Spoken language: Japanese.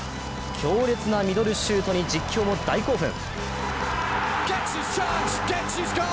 強烈なミドルシュートに実況も大興奮。